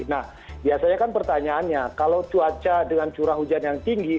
nah biasanya kan pertanyaannya kalau cuaca dengan curah hujan yang tinggi